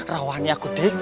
rawan nih aku dek